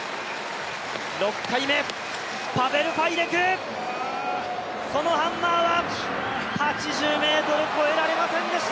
６回目、パベル・ファイデク、そのハンマーは８０ｍ越えられませんでした。